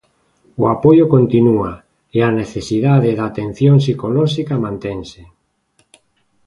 O apoio continúa, e a necesidade de atención psicolóxica mantense.